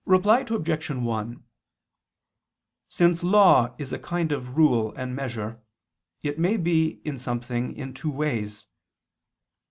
Reply Obj. 1: Since law is a kind of rule and measure, it may be in something in two ways.